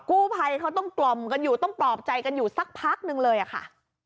กู้ภัยเขาต้องกล่อมกันอยู่ต้องปลอบใจกันอยู่สักพักนึงเลยอะค่ะ